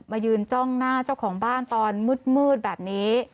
มายืนจ้องหน้าเจ้าของบ้านตอนมืดแบบนี้